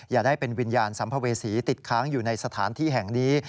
อย่าได้เป็นวิญญาณสัมภเวษีติดค้างอยู่ในสถานที่แห่งนี้